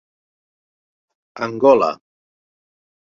Angola.